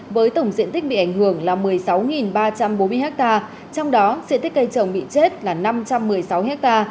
với tổng diện tích bị ảnh hưởng là một mươi sáu ba trăm bốn mươi ha trong đó diện tích cây trồng bị chết là năm trăm một mươi sáu ha